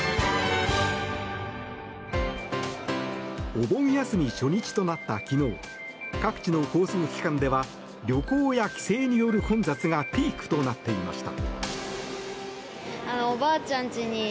お盆休み初日となった昨日各地の交通機関では旅行や帰省による混雑がピークとなっていました。